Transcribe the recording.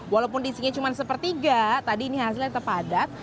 walaupun disinya cuma sepertiga tadi ini hasilnya terpadat